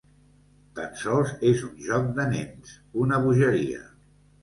Tan sols és un joc de nens: una bogeria.